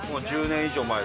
１０年以上前？